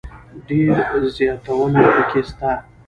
ډېر زياتونه پکښي سته.